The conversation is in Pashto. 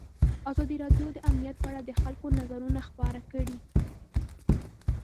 ازادي راډیو د امنیت په اړه د خلکو نظرونه خپاره کړي.